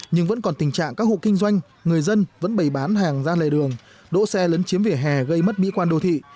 nhưng vẫn còn tình trạng các hộ kinh doanh người dân vẫn bày bán hàng ra lề đường đỗ xe lấn chiếm vỉa hè gây mất mỹ quan đô thị